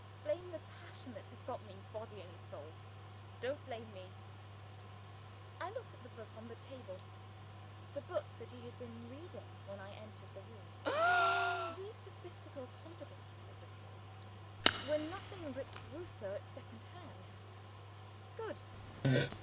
Blame the passion that has got me body and soul: don't blame me!" I looked at the book on the table the book that he had been reading when I entered the room. These sophistical confidences of his were nothing but Rousseau at second hand. Good!